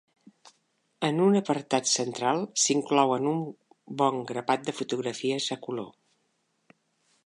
En una apartat central, s'inclouen un bon grapat de fotografies a color.